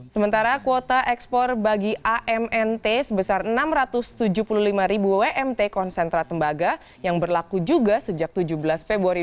sementara kuota ekspor bagi amnt sebesar enam ratus tujuh puluh lima ribu wmt konsentrat tembaga yang berlaku juga sejak tujuh belas februari dua ribu tujuh belas hingga enam belas februari dua ribu delapan belas